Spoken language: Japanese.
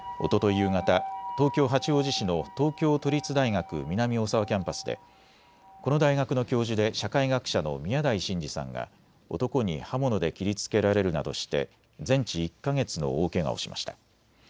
夕方、東京八王子市の東京都立大学南大沢キャンパスでこの大学の教授で社会学者の宮台真司さんが男に刃物で切りつけられるなどして全治１か月の大けがをしました。